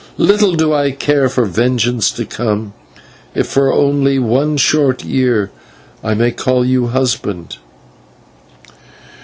Little do I care for vengeance to come, if for only one short year I may call you husband."